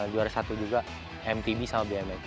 juara satu juga mtb sama bmx